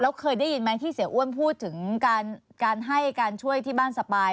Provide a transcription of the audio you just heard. แล้วเคยได้ยินไหมที่เสียอ้วนพูดถึงการให้การช่วยที่บ้านสปาย